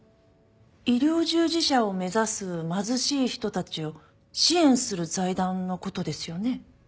医療従事者を目指す貧しい人たちを支援する財団の事ですよね？